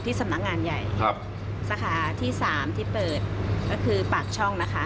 สำนักงานใหญ่ครับสาขาที่สามที่เปิดก็คือปากช่องนะคะ